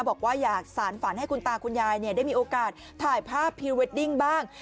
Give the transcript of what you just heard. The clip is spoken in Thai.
บอกว่าอยากสารฝันให้คุณตาคุณยายได้มีโอกาสถ่ายภาพพรีเวดดิ้งบ้าง